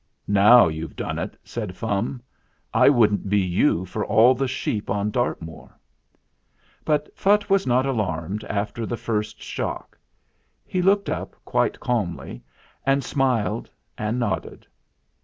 "Now you've done it !" said Fum ; "I wouldn't be you for all the sheep on Dartmoor." But Phutt was not alarmed after the first shock. He looked up quite calmly and smiled and nodded.